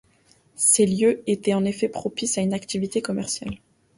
Ces lieux étaient en effet propices à une activité commerciale.